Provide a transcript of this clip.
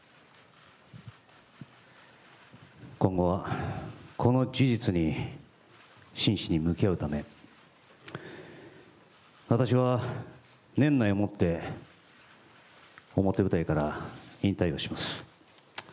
今後はこの事実に真摯に向き合うため、私は年内をもって表舞台から引退をします。